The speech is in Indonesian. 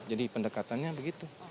jadi pendekatannya begitu